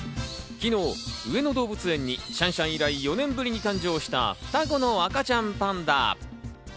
昨日、上野動物園にシャンシャン以来４年ぶりに誕生した双子の赤ちゃんパンダ。